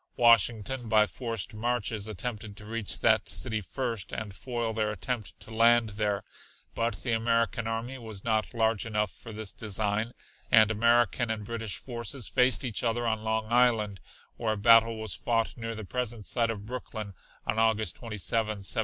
Washington by forced marches attempted to reach that city first and foil their attempt to land there, but the American army was not large enough for this design, and American and British forces faced each other on Long Island where a battle was fought near the present site of Brooklyn on August 27th, 1776.